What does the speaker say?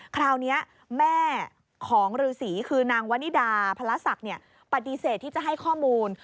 คราวนี้แม่ของฤษีคือนางวนิดาพระศักดิ์ปฏิเสธที่จะให้ข้อมูล